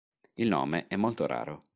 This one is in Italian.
Il nome è molto raro.